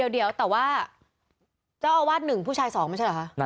เดี๋ยวแต่ว่าเจ้าอาวาส๑ผู้ชาย๒ไม่ใช่เหรอคะ